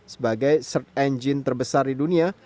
sebagai search engine terbesar di dunia